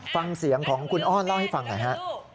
ฟังเสียงของคุณอ้อนเล่าให้ฟังหน่อยฮะ